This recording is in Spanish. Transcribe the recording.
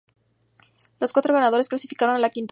Los cuatro ganadores clasificaron a la Quinta fase.